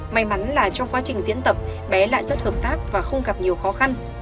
may mắn là trong quá trình diễn tập bé lại rất hợp tác và không gặp nhiều khó khăn